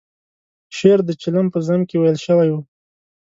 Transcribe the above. شعر د چلم په ذم کې ویل شوی و.